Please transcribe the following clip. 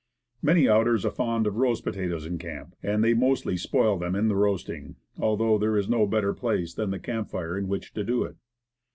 Many outers are fond of roast potatoes in camp; and they mostly spoil them in the roasting, although there is no better place than the camp fire in which to do it.